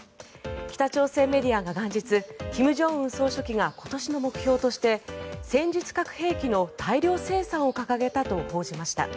北朝鮮メディアが元日金正恩総書記が今年の目標として戦術核兵器の大量生産を掲げたと報じました。